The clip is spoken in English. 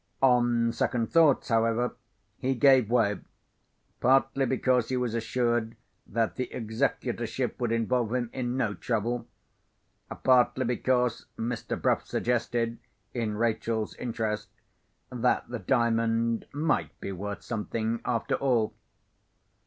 On second thoughts, however, he gave way, partly because he was assured that the executorship would involve him in no trouble; partly because Mr. Bruff suggested, in Rachel's interest, that the Diamond might be worth something, after all."